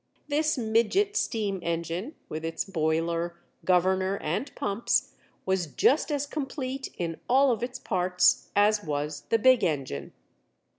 This midget steam engine, with its boiler, governor, and pumps, was just as complete in all of its parts as was the big engine.